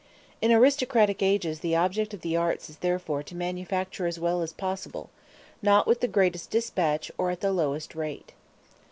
In aristocratic ages, the object of the arts is therefore to manufacture as well as possible not with the greatest despatch, or at the lowest rate.